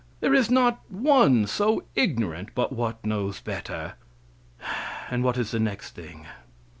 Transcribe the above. There is not one so ignorant but what knows better. And what is the next thing?